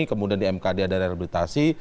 kemudian di mk dia ada rehabilitasi